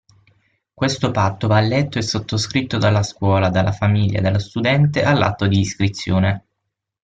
Questo patto va letto e sottoscritto dalla scuola, dalla famiglia, dallo studente all'atto di iscrizione.